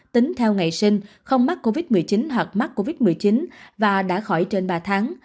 tính theo ngày sinh không mắc covid một mươi chín hoặc mắc covid một mươi chín và đã khỏi trên ba tháng